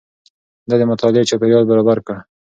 ده د مطالعې چاپېريال برابر کړ.